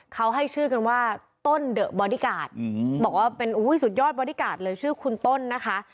เขาให้ชื่อกันว่าต้นเดอะบอดี้การ์ดบอกว่าเป็นสุดยอดบอดี้การ์ดเลยชื่อคุณต้นนะคะ